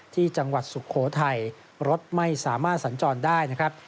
ที่จังหวัดสุโขทัยรถไม่สามารถสัญจรได้นะครับ